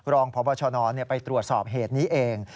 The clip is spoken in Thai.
รองพบชนไปตรวจสอบเหตุนี้เอง